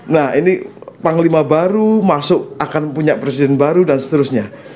nah ini panglima baru masuk akan punya presiden baru dan seterusnya